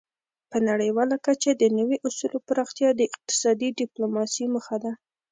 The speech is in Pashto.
په نړیواله کچه د نوي اصولو پراختیا د اقتصادي ډیپلوماسي موخه ده